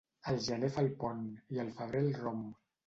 El gener fa el pont i el febrer el romp.